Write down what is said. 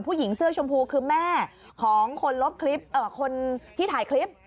ผู้หญิงเสื้อชมพูคือแม่ของคนที่ถ่ายคลิป